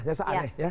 ya seaneh ya